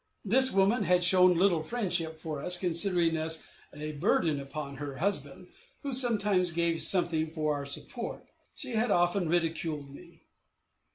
This woman had shown little friendship for us, considering us as a burden upon her husband, who sometimes gave something for our support; she had also often ridiculed me.